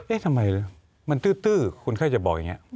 เอ๊ะทำไมมันตื้อคุณแค่จะบอกอย่างนี้